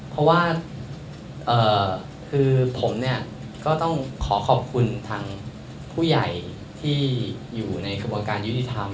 เพราะว่าคือผมเนี่ยก็ต้องขอขอบคุณทางผู้ใหญ่ที่อยู่ในกระบวนการยุติธรรม